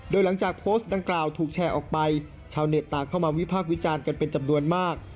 โดยหลังจากโพสต์ดังกล่าวถูกแชร์ออกไปชาวเน็ตต่างเข้ามาวิพากษ์วิจารณ์กันเป็นจำนวนมาก